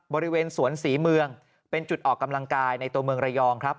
บริเวณสวนศรีเมืองเป็นจุดออกกำลังกายในตัวเมืองระยองครับ